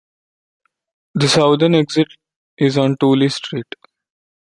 The southern exit is on Tooley Street.